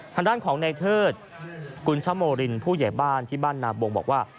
ทางด้านของในเทิดกุญชโมรินผู้ใหญ่บ้านที่บ้านนาบงบอกว่า